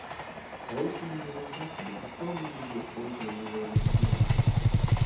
Полученные результаты, безусловно, будут использованы и за его пределами.